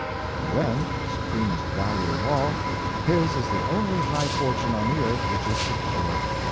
And then—supremest value of all his is the only high fortune on the earth which is secure.